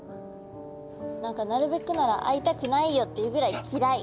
何かなるべくなら会いたくないよっていうぐらいきらい。